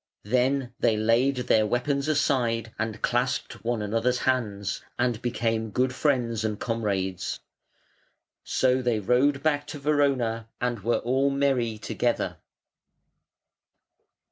Then they laid their weapons aside and clasped one another's hands, and became good friends and comrades. So they rode back to Verona, and were all merry together.